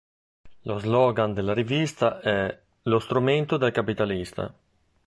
Lo slogan della rivista è "Lo strumento del capitalista".